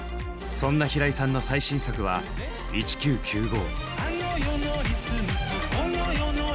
そんな平井さんの最新作は「１９９５」。